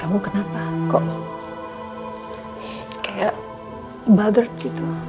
kamu kenapa kok kayak butherd gitu